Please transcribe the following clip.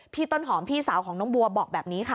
ต้นหอมพี่สาวของน้องบัวบอกแบบนี้ค่ะ